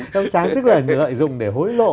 trong sáng tức là lợi dụng để hối lộ